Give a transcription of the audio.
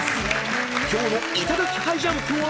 ［今日の『いただきハイジャンプ』は］